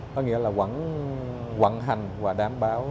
có nghĩa là vẫn hoạt hành và đảm bảo